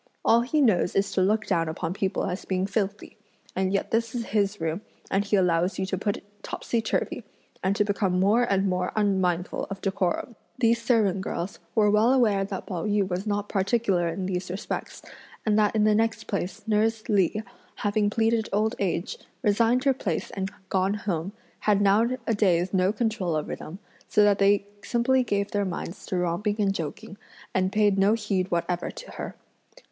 All he knows is to look down upon people as being filthy; and yet this is his room and he allows you to put it topsy turvey, and to become more and more unmindful of decorum!" These servant girls were well aware that Pao yü was not particular in these respects, and that in the next place nurse Li, having pleaded old age, resigned her place and gone home, had nowadays no control over them, so that they simply gave their minds to romping and joking, and paid no heed whatever to her.